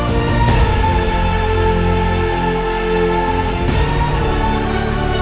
soalnya kita mesti menjaga